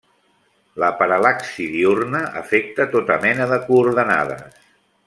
La paral·laxi diürna afecta tota mena de coordenades.